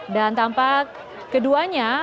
dan tampak keduanya